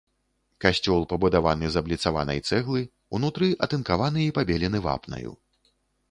Касцёл пабудаваны з абліцаванай цэглы, унутры атынкаваны і пабелены вапнаю.